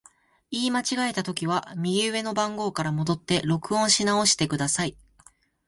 言い間違えたときは、右上の番号から戻って録音し直してください。